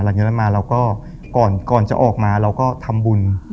หลังจากนั้นมาเราก็ก่อนจะออกมาเราก็ทำบุญ